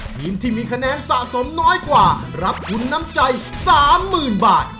ทีมที่มีคะแนนสะสมน้อยกว่ารับทุนน้ำใจ๓๐๐๐บาท